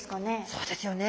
そうですよね。